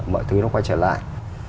mọi thứ nó quay trở lại